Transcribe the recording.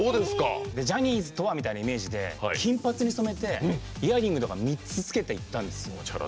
ジャニーズとはみたいなイメージで金髪に染めてイアリングとか３つ着けていったんです。